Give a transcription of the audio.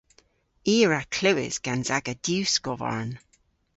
I a wra klewes gans aga diwskovarn.